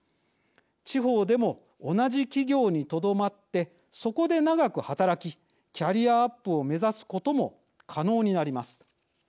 地方でも同じ企業にとどまってそこで長く働きキャリアアップを目指すことも可能になります。